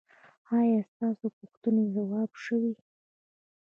ایا ستاسو پوښتنې ځواب شوې؟